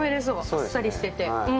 あっさりしてて。